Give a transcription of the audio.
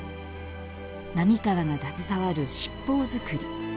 並河が携わる七宝作り。